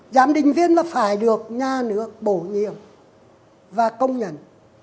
giám định viên là phải được nhà nước bổ nhiệm và công nhận